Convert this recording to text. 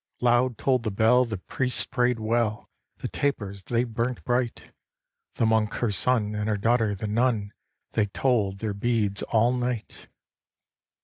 Loud toll'd the bell, the Priests pray'd well, The tapers they burnt bright, The Monk her son, and her daughter the Nun, They told their beads all night.